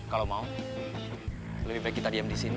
kalau mau lebih baik kita diam di sini